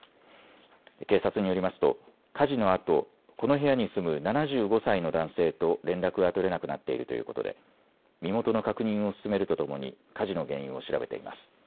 警察によりますと火事のあとこの部屋に住む７５歳の男性と連絡が取れなくなっているということで身元の確認を進めるとともに火事の原因を調べています。